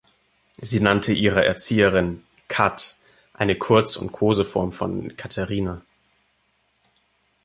Sie nannte ihre Erzieherin „Kat“, eine Kurz- und Koseform von Katherine.